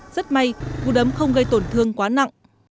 rất may vụ đấm không gây tổn thương quá nặng